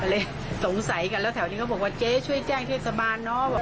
เลยสงสัยกันแล้วแถวนี้เขาบอกว่าเจ๊ช่วยแจ้งเทศบาลเนาะ